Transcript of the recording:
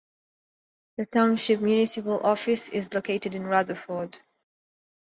The township municipal office is located in Rutherford.